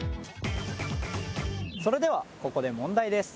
それではここで問題です。